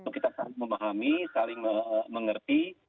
kita saling memahami saling mengerti